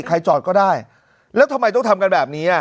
จอดก็ได้แล้วทำไมต้องทำกันแบบนี้อ่ะ